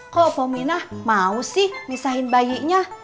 kok pominah mau sih nisahin bayinya